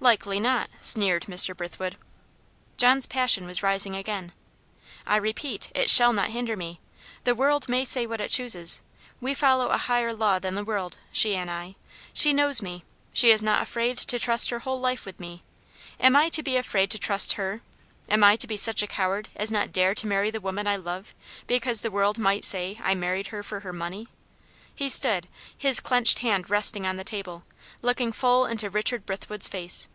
"Likely not," sneered Mr. Brithwood. John's passion was rising again. "I repeat, it shall not hinder me. The world may say what it chooses; we follow a higher law than the world she and I. She knows me, she is not afraid to trust her whole life with me; am I to be afraid to trust her? Am I to be such a coward as not to dare to marry the woman I love, because the world might say I married her for her money?" He stood, his clenched hand resting on the table, looking full into Richard Brithwood's face.